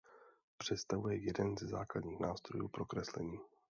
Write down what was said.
Představuje jeden ze základních nástrojů pro kreslení.